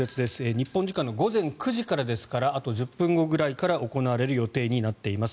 日本時間の午前９時からですからあと１０分後ぐらいから行われる予定となっています。